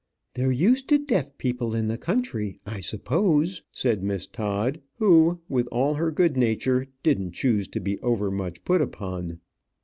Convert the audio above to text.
"They're used to deaf people in the country, I suppose," said Miss Todd, who, with all her good nature, didn't choose to be over much put upon.